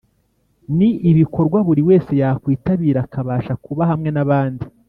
Ni ibikorwa buri wese yakwitabira akabasha kuba hamwe n’abandi